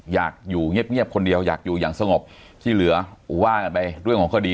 อยากอยู่เงียบคนเดียวอยากอยู่อย่างสงบที่เหลือว่ากันไปเรื่องของคดี